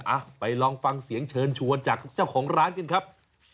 อ่ะไปลองฟังเสียงเชิญชวนจากเจ้าของร้านกันครับ